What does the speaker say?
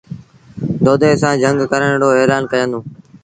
دودي سآݩ جھنگ ڪرڻ رو ايلآن ڪيآݩدوݩ ۔